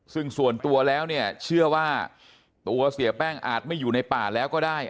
ซึ่งส่วนตัวแล้วเนี่ยเชื่อว่าตัวเสียแป้งอาจไม่อยู่ในป่าแล้วก็ได้